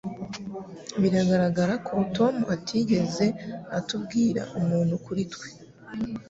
Biragaragara ko Tom atigeze atubwira umuntu kuri twe